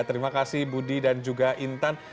terima kasih budi dan juga intan